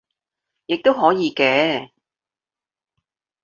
亦都可以嘅